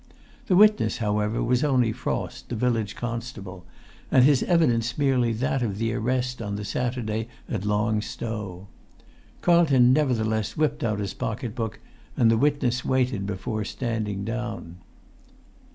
The witness, however, was only Frost, the village constable, and his evidence merely that of the arrest on the Saturday at Long Stow. Carlton nevertheless whipped out his pocket book, and the witness waited before standing down.